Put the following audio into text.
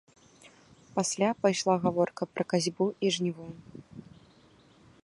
Пасля пайшла гаворка пра касьбу і жніво.